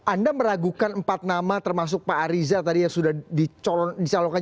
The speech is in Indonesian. anda meragukan empat nama termasuk pak ariza tadi yang sudah dicalonkan